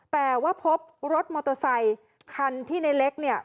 แต่ว่าพบรถมอเตอร์ไซคันที่ในเล็กเนี่ย